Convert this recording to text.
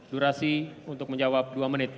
durasi untuk menjawab dua menit